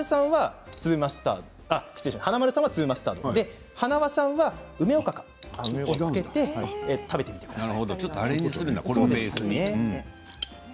華丸さんは粒マスタード塙さんは梅おかかをつけて食べてみてください。